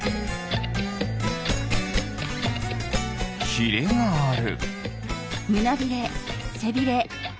ひれがある。